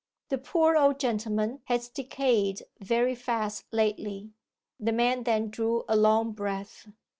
'The poor old gentleman has decayed very fast lately.' The man then drew a long breath.